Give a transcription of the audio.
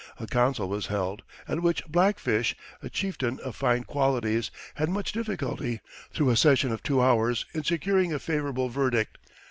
A council was held, at which Black Fish, a chieftain of fine qualities, had much difficulty, through a session of two hours, in securing a favorable verdict.